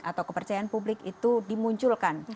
atau kepercayaan publik itu dimunculkan